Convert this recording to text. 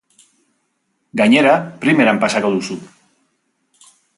Gainera primeran pasako duzu!